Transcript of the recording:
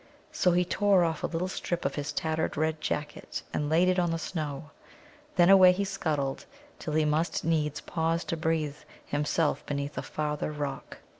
So he tore off a little strip of his tattered red jacket and laid it in the snow. Then away he scuttled till he must needs pause to breathe himself beneath a farther rock.